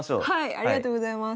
ありがとうございます。